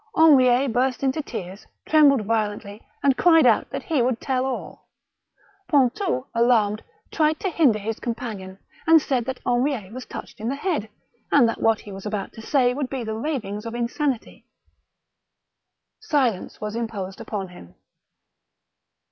Henriet burst into tears, trembled violently, and cried out that he would tell all. Pontou, alarmed, tried to hinder his companion, and said that Henriet was touched in his head, and that what he was about to say would be the ravings of insanity. Silence was imposed upon him.